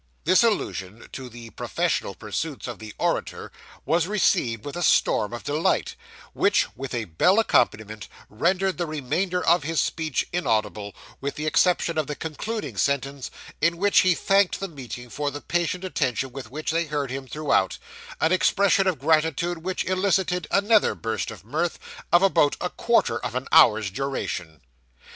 This allusion to the professional pursuits of the orator was received with a storm of delight, which, with a bell accompaniment, rendered the remainder of his speech inaudible, with the exception of the concluding sentence, in which he thanked the meeting for the patient attention with which they heard him throughout an expression of gratitude which elicited another burst of mirth, of about a quarter of an hour's duration.